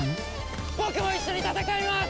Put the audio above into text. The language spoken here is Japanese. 僕も一緒に戦います！